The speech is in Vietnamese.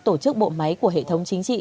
tổ chức bộ máy của hệ thống chính trị